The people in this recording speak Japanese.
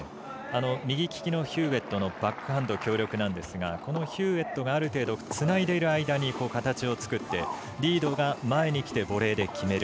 右利きのヒューウェットのバックハンド強力なんですがこのヒューウェットがある程度つないでいる間に形を作ってリードが前にきてボレーで決める。